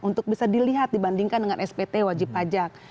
untuk bisa dilihat dibandingkan dengan spt wajib pajak